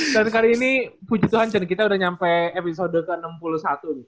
dan kali ini puji tuhan kita udah nyampe episode ke enam puluh satu nih